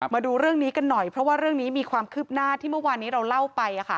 มาดูเรื่องนี้กันหน่อยเพราะว่าเรื่องนี้มีความคืบหน้าที่เมื่อวานนี้เราเล่าไป